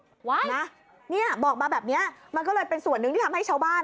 วะนะเนี่ยบอกมาแบบเนี้ยมันก็เลยเป็นส่วนหนึ่งที่ทำให้ชาวบ้าน